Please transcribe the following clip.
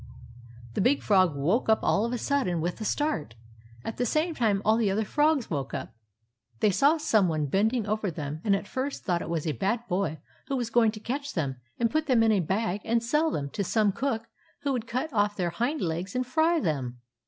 The Big Frog woke up all of a sudden, with a start. At the same time all the other frogs woke up. They saw some one bend ing over them, and at first thought it was a bad boy who was going to catch them and put them in a bag and sell them to some cook who would cut off their hind legs and fry them.